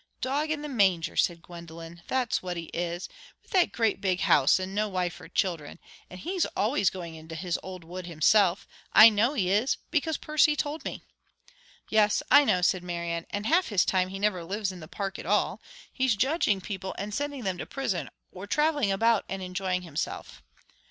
"Dog in the manger," said Gwendolen, "that's what he is, with that great big house and no wife or children. And he's always going into his old wood himself. I know he is, because Percy told me." "Yes, I know," said Marian, "and half his time he never lives at the Park at all. He's judging people and sending them to prison, or travelling about and enjoying himself."